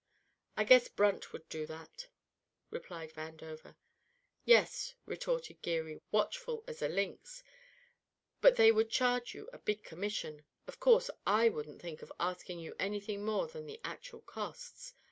"I guess Brunt would do that," replied Vandover. "Yes," retorted Geary, watchful as a lynx, "but they would charge you a big commission. Of course I wouldn't think of asking you anything more than the actual costs.